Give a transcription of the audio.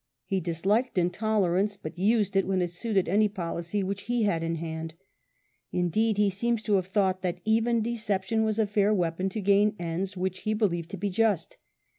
He disliked intolerance, but used it when it suited any policy which he had in hand. Indeed he seems to have thought that even deception was a fair weapon to gain ends which he believed to be just.